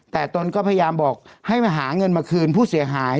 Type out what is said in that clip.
แต่ตนก็พยายามบอกให้มาหาเงินมาคืนผู้เสียหาย